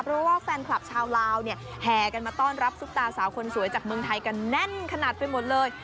เพราะว่าแฟนคลับชาวลาวเนี่ยแห่กันมาต้อนรับซุปตาสาวคนสวยจากเมืองไทยกันแน่นขนาดไปหมดเลย